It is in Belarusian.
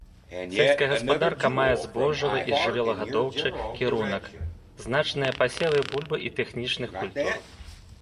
Сельская гаспадарка мае збожжавы і жывёлагадоўчы кірунак, значныя пасевы бульбы і тэхнічных культур.